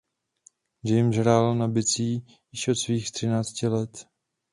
James hrál na bicí již od svých třinácti let.